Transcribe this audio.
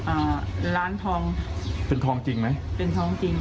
อ่าร้านทองเป็นทองจริงไหมเป็นทองจริง